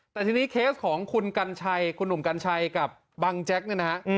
แต่ทีนี้เคสของคุณกัญชัยคุณหนุ่มกัญชัยกับบังแจ็คเนี่ยนะฮะ